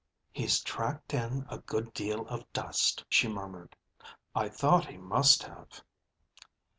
"He's tracked in a good deal of dust," she murmured. I thought he must have."